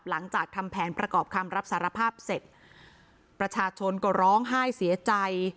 หลังจากทำแผนประกอบคำรับสารภาพเสร็จประชาชนก็ร้องไห้เสียใจ